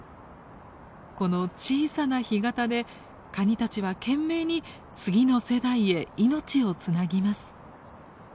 この小さな干潟でカニたちは懸命に次の世代へ命をつなぎます。